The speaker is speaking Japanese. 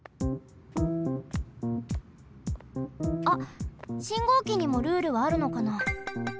あっ信号機にもルールはあるのかな？